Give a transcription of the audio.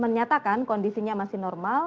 menyatakan kondisinya masih normal